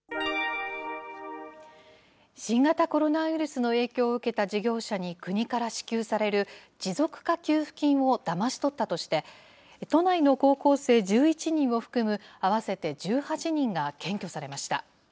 新型コロナウイルスの影響を受けた事業者に国から支給される持続化給付金をだまし取ったとして、都内の高校生１１人を含む合わせて１８人が検挙されました。